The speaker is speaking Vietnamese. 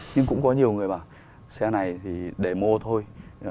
nhưng cũng có nhiều người bảo xe này thì để mua thôi